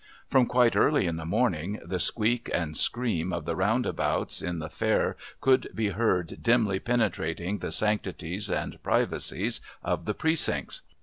From quite early in the morning the squeak and scream of the roundabouts in the Fair could be heard dimly penetrating the sanctities and privacies of the Precincts.